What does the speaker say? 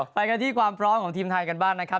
ไปกันที่ความพร้อมของทีมไทยกันบ้างนะครับ